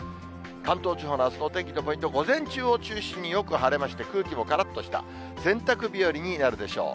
関東地方のあすのお天気のポイント、午前中を中心によく晴れまして、空気もからっとした洗濯日和になるでしょう。